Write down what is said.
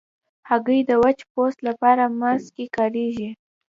هګۍ د وچ پوست لپاره ماسک کې کارېږي.